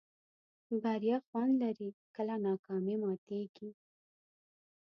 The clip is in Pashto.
بریا خوند لري کله ناکامي ماتېږي.